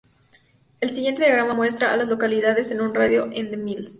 El siguiente diagrama muestra a las localidades en un radio de de Mills.